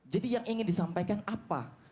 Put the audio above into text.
jadi yang ingin disampaikan apa